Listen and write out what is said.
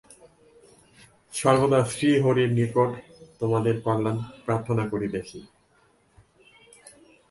সর্বদা শ্রীহরির নিকট তোমাদের কল্যাণ প্রার্থনা করিতেছি।